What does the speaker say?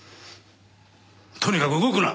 とにかく動くな。